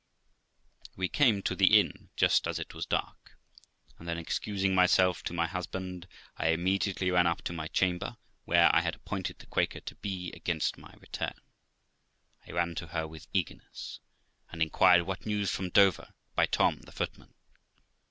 We came to the inn just as it was dark, and then excusing myself to my husband, I immediately ran up into my chamber, where I had appointed the Quaker to be against my return. I ran to her with eagerness, and inquired what news from Dover, by Tom, the footman.